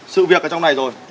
sự việc ở trong này rồi